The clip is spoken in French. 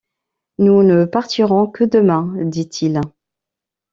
Nous ne partirons que demain, » dit-il.